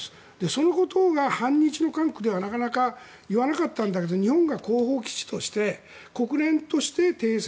そのことが反日の韓国ではなかなか言わなかったんだけど日本が後方基地として国連として停戦